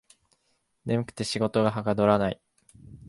眠くて仕事がはかどらない